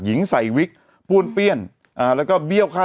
หญิงใสวิกปูนเปรี้ยนแล้วก็เบี้ยวข้ัว